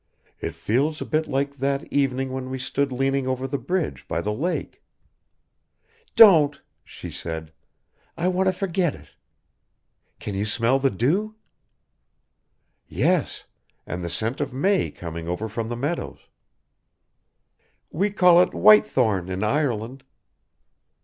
"It feels a bit like that evening when we stood leaning over the bridge by the lake." "Don't," she said. "I want to forget it. Can you smell the dew?" "Yes, and the scent of may coming over from the meadows." "We call it whitethorn in Ireland."